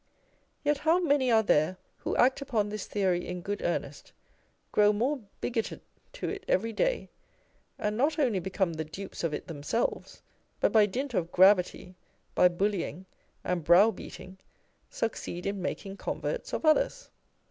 Yet how many are there who act upon this theory in good earnest, grow more bigoted to it every day, and not only become the dupes of it themselves, but by dint of gravity, by bullying and browbeating, succeed in making converts of others